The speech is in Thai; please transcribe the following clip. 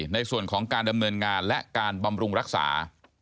ในส่วนของการดำเนินงานและการบำรุงรักษา